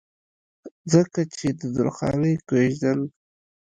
ځکه چې د درخانۍ کويژدن